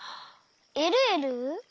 えるえる！